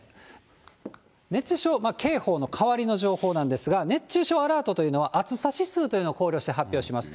それは、熱中症警報の代わりの情報なんですが、熱中症アラートというのは、暑さ指数というのを考慮して発表します。